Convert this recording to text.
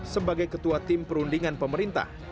sebagai ketua tim perundingan pemerintah